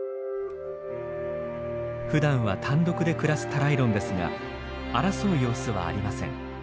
ふだんは単独で暮らすタライロンですが争う様子はありません。